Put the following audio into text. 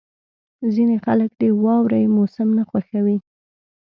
• ځینې خلک د واورې موسم نه خوښوي.